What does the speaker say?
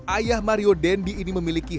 ayah mario dendi ini memiliki